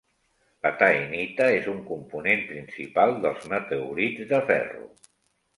La taenita és un component principal dels meteorits de ferro.